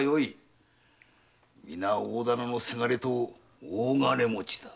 皆大店の伜と大金持ちだ。